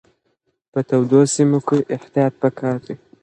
په تودو سیمو کې احتیاط پکار دی.